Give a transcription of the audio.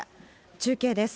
中継です。